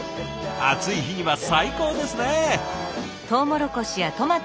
暑い日には最高ですね！